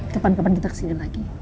kapan kapan kita kesini lagi